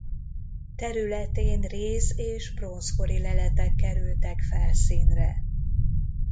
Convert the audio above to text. Területén réz- és bronzkori leletek kerültek felszínre.